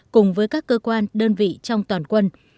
cùng với các cơ quan đơn vị trong toàn quân